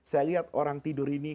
saya lihat orang tidur ini